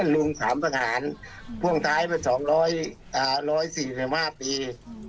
ลุงสามประหารพ่วงท้ายเป็นสองร้อยร้อยสี่หรือห้าปี